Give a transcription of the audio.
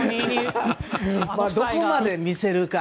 どこまで見せるか。